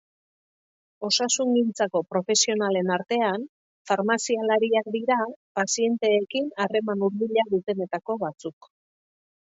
Osasungintzako profesionalen artean, farmazialariak dira pazienteekin harreman hurbila dutenetako batzuk.